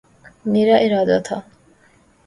میرا ارادہ تھا